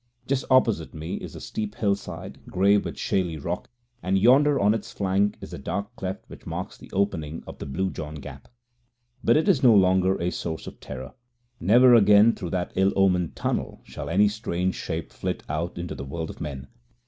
Just opposite me is the steep hillside, grey with shaly rock, and yonder on its flank is the dark cleft which marks the opening of the Blue John Gap. But it is no longer a source of terror. Never again through that ill omened tunnel shall any strange shape flit out into the world of men.